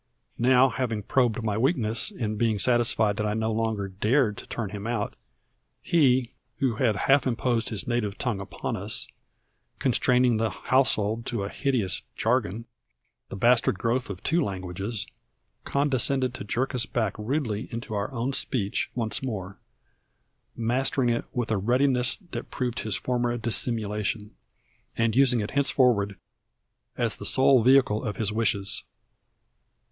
Now having probed my weakness, and being satisfied that I no longer dared to turn him out, he, who had half imposed his native tongue upon us, constraining the household to a hideous jargon, the bastard growth of two languages, condescended to jerk us back rudely into our own speech once more, mastering it with a readiness that proved his former dissimulation, and using it henceforward as the sole vehicle of his wishes.